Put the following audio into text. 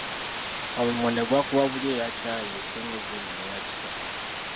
Omummonde gwakuba bbuli ye eya ccaayi esinga obulungi n'eyatika.